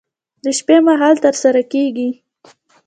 د شپې مهال ترسره کېږي.